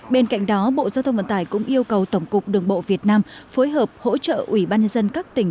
bên cạnh đó bộ giao thông vận tải cũng yêu cầu tổng cục đường bộ việt nam phối hợp hỗ trợ ủy ban nhân dân các tỉnh